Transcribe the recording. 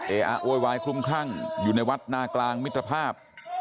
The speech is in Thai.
เออะโวยวายคลุมคลั่งอยู่ในวัดนากลางมิตรภาพ